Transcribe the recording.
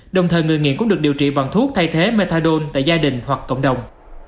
đồng thời người nghiện cũng được điều trị bằng thuốc thay thế methadone tại gia đình hoặc cộng đồng